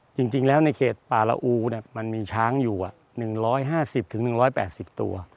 จริงจริงแล้วในเขตปาละอูเนี่ยมันมีช้างอยู่อ่ะหนึ่งร้อยห้าสิบถึงหนึ่งร้อยแปดสิบตัว